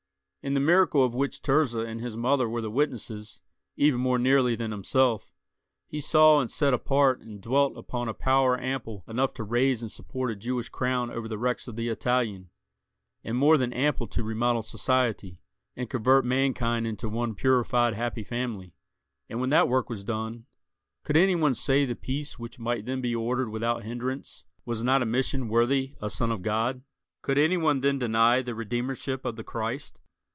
In the miracle of which Tirzah and his mother were the witnesses even more nearly than himself, he saw and set apart and dwelt upon a power ample enough to raise and support a Jewish crown over the wrecks of the Italian, and more than ample to remodel society, and convert mankind into one purified happy family; and when that work was done, could any one say the peace which might then be ordered without hindrance was not a mission worthy a son of God? Could any one then deny the Redeemership of the Christ?